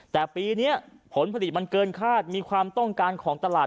แต่ปีนี้ผลผลิตมันเกินคาดมีความต้องการของตลาด